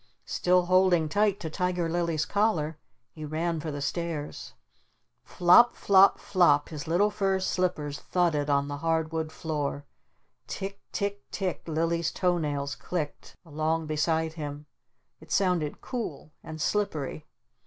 Still holding tight to Tiger Lily's collar he ran for the stairs. Flop Flop Flop his little fur slippers thudded on the hard wood floor. Tick Tick Tick Lily's toe nails clicked along beside him. It sounded cool. And slippery.